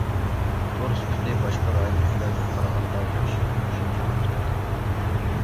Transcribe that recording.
تور سۈپىتى باشقا رايوندىكىلەرگە قارىغاندا ياخشى شىنجاڭغا نىسبەتەن.